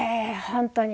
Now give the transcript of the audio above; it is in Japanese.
本当に。